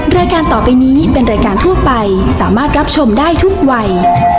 รายการต่อไปนี้เป็นรายการทั่วไปสามารถรับชมได้ทุกวัย